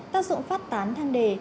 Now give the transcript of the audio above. tác dụng phát tán thang đề